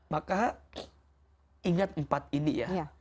maka ingat empat ini ya